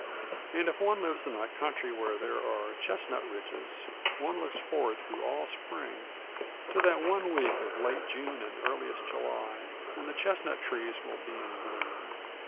And if one lives in a country where there are chestnut ridges, one looks forward through all the spring to that one week of late June and earliest July when the chestnut trees will be in bloom.